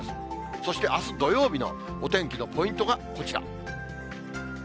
そしてあす土曜日のお天気のポイントがこちら。